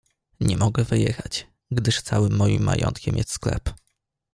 "Nie mogę wyjechać, gdyż całym moim majątkiem jest sklep."